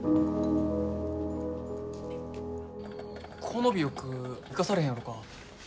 この尾翼生かされへんやろか？